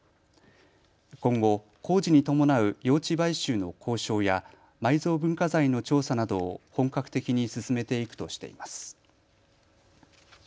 今後、工事に伴う用地買収の交渉や埋蔵文化財の調査などを本格的に進めていくとしています。